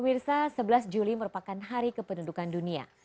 pemirsa sebelas juli merupakan hari kependudukan dunia